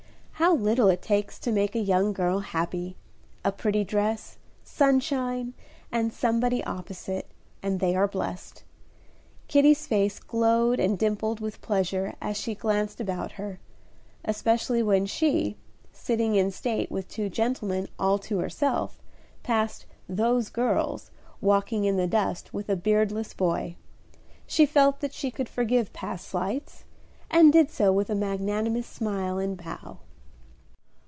How little it takes to make a young girl happy! A pretty dress, sunshine, and somebody opposite, and they are blest. Kitty's face glowed and dimpled with pleasure as she glanced about her, especially when she, sitting in state with two gentlemen all to herself, passed "those girls" walking in the dust with a beardless boy; she felt that she could forgive past slights, and did so with a magnanimous smile and bow.